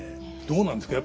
どうなんですか？